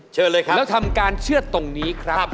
เชิญเลยครับแล้วทำการเชื่อดตรงนี้ครับ